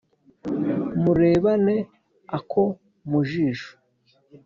murebane ako mu jisho